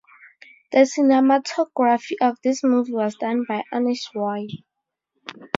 The cinematography of this movie was done by Anish Roy.